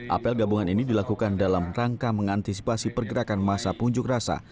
apel gabungan ini dilakukan dalam rangka mengantisipasi pergerakan masa pengunjuk rasa